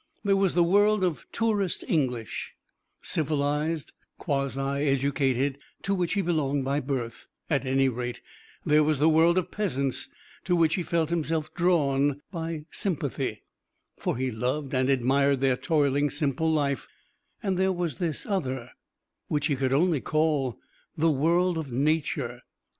There was the world of tourist English, civilised, quasi educated, to which he belonged by birth, at any rate; there was the world of peasants to which he felt himself drawn by sympathy for he loved and admired their toiling, simple life; and there was this other which he could only call the world of Nature.